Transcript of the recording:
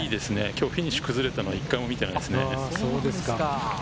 今日はフィニッシュが崩れたのは一回も見てないですね。